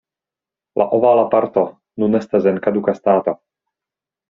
La ovala parto nun estas en kaduka stato.